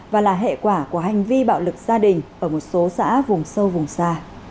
và là hệ quả của hành vi bạo lực gia đình ở một số xã vùng sâu vùng xa